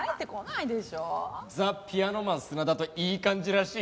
ザ・ピアノマン砂田といい感じらしいな。